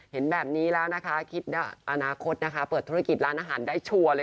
เห็นแบบนี้แล้วนะคะคิดอนาคตเปิดธุรกิจโรนโชว์ร้านอาหารได้ชัวร์